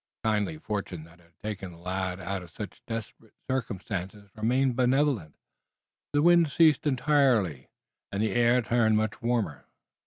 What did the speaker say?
The kindly fortune that had taken the lad out of such desperate circumstances remained benevolent. The wind ceased entirely and the air turned much warmer.